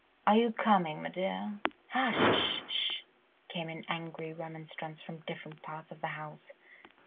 "Are you coming, m'dear?" "Hush! Sh! Sh!" came in angry remonstrance from different parts of the house.